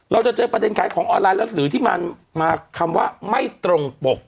เราจะเจอประเด็นขายของออนไลน์แล้วหรือที่มันมาคำว่าไม่ตรงปก